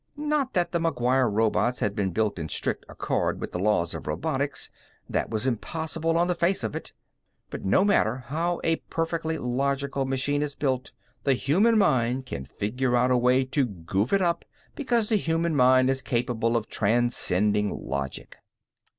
Not that the McGuire robots had been built in strict accord with the Laws of Robotics; that was impossible on the face of it. But no matter how a perfectly logical machine is built, the human mind can figure out a way to goof it up because the human mind is capable of transcending logic.